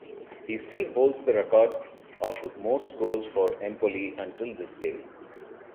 He still holds the record of the most goals for Empoli until this day.